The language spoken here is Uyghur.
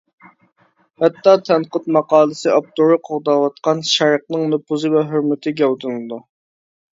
ھەتتا تەنقىد ماقالىسى ئاپتورى قوغداۋاتقان «شەرقنىڭ نوپۇزى ۋە ھۆرمىتى» گەۋدىلىنىدۇ.